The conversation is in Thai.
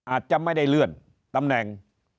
อาจจะไม่ได้เลื่อนตำแหน่ง